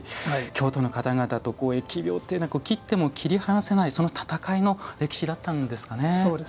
京都の方々と疫病というのは切っても切り離せない闘いの歴史だったんですかね。